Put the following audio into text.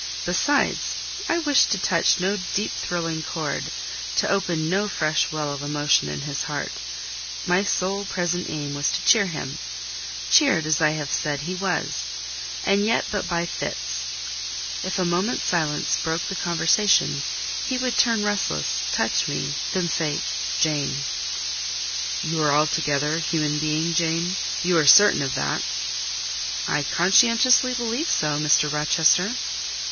Besides, I wished to touch no deep thrilling chord—to open no fresh well of emotion in his heart: my sole present aim was to cheer him. Cheered, as I have said, he was: and yet but by fits. If a moment's silence broke the conversation, he would turn restless, touch me, then say, "Jane." "You are altogether a human being, Jane? You are certain of that?" You are altogether a human being, Jane? You are certain of that? "I conscientiously believe so, Mr. Rochester."